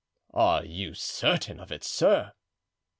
"Are you certain of it, sir?"